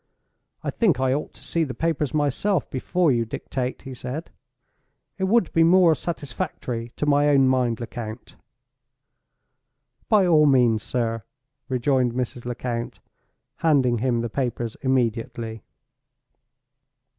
"I think I ought to see the papers myself, before you dictate," he said. "It would be more satisfactory to my own mind, Lecount." "By all means, sir," rejoined Mrs. Lecount, handing him the papers immediately.